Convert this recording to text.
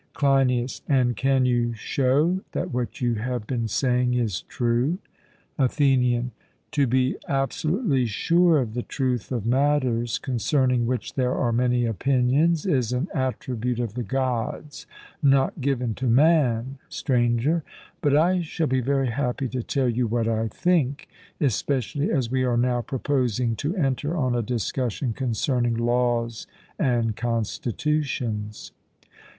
CLEINIAS: And can you show that what you have been saying is true? ATHENIAN: To be absolutely sure of the truth of matters concerning which there are many opinions, is an attribute of the Gods not given to man, Stranger; but I shall be very happy to tell you what I think, especially as we are now proposing to enter on a discussion concerning laws and constitutions.